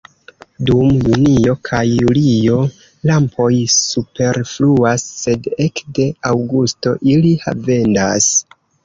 Dum junio kaj julio lampoj superfluas, sed ekde aŭgusto ili havendas.